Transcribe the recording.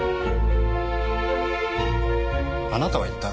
あなたは一体？